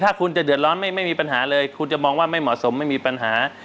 ถ้าคุณจะเดือดร้อนไม่มีปัญหาคุณจะมองว่าไม่เหมาะสม